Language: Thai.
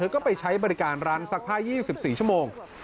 ก็ไปใช้บริการร้านซักผ้า๒๔ชั่วโมง